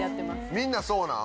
みんなそうなん？